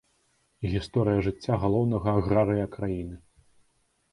Гісторыя жыцця галоўнага аграрыя краіны.